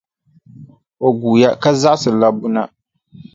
O guuya ka zaɣisi labbu na.